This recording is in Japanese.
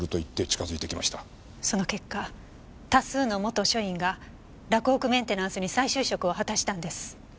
その結果多数の元署員が洛北メンテナンスに再就職を果たしたんです。